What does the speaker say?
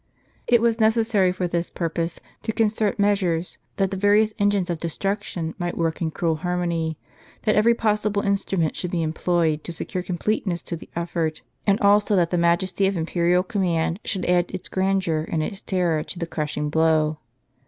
It was necessary for this purpose to con cert measures, that the various engines of destruction might work in cruel harmony : that every possible instrument should be employed to secure completeness to the effort; and also that the majesty of imperial command should add its grandeur and its terror to the crushing blow.